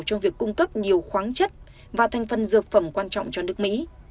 trong việc cung cấp nhiều khoáng chất và thành phần dược phẩm quan trọng cho nước mỹ